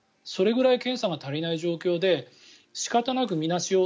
それぐらい検査が足りない状況でしかたなくみなし